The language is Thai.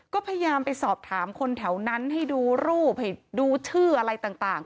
ก็พยายามไปสอบถามคนแถวนั้นให้ดูรูปให้ดูชื่ออะไรต่าง